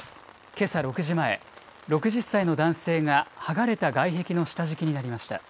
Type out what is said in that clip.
けさ６時前、６０歳の男性が剥がれた外壁の下敷きになりました。